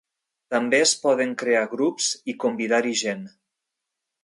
També es poden crear grups i convidar-hi gent.